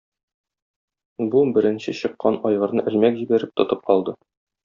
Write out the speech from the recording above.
Бу - беренче чыккан айгырны элмәк җибәреп, тотып алды.